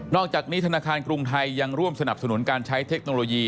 อกจากนี้ธนาคารกรุงไทยยังร่วมสนับสนุนการใช้เทคโนโลยี